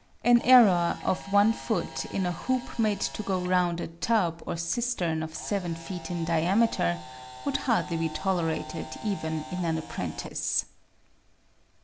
An error of one foot in a hoop made to go round a tub or cis tern of seven feet in diameter, would hardly be tolerated even in an apprentice.